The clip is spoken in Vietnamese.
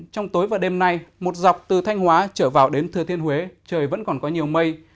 trong tối và đêm nay một dọc từ thanh hóa trở vào đến thừa thiên huế trời vẫn còn có nhiều mây